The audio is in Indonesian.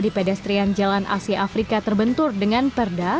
di pedestrian jalan asia afrika terbentur dengan perda